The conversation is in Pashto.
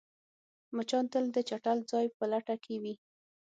مچان تل د چټل ځای په لټه کې وي